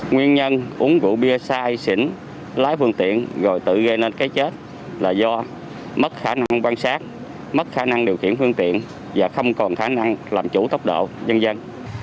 nguyên nhân uống rượu bia sai sỉnh lái phương tiện rồi tự gây nên cái chết là do mất khả năng quan sát mất khả năng điều khiển phương tiện và không còn khả năng làm chủ tốc độ dần dân dân